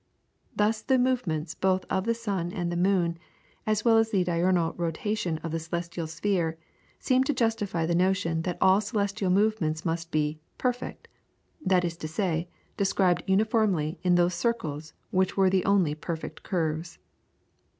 Thus the movements both of the sun and the moon, as well as the diurnal rotation of the celestial sphere, seemed to justify the notion that all celestial movements must be "perfect," that is to say, described uniformly in those circles which were the only perfect curves.